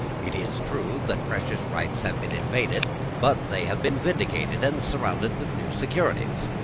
It is true that precious rights have been invaded; but they have been vindicated and surrounded with new securities.